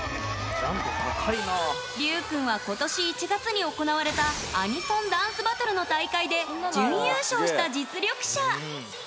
龍君は今年１月に行われたアニソンダンスバトルの大会で準優勝した実力者。